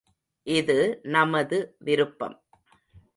இது நமது விருப்பம்.